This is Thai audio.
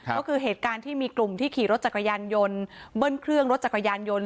ก็คือเหตุการณ์ที่มีกลุ่มที่ขี่รถจักรยานยนต์เบิ้ลเครื่องรถจักรยานยนต์